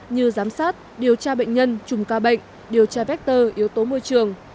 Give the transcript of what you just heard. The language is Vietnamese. như giám sát điều tra bệnh nhân chùm ca bệnh điều tra vector yếu tố môi trường